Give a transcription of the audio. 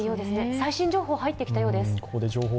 最新情報が入ってきたようです。